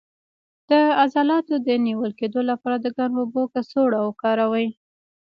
د عضلاتو د نیول کیدو لپاره د ګرمو اوبو کڅوړه وکاروئ